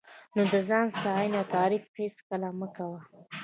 نو د ځان ستاینه او تعریف هېڅکله مه کوه.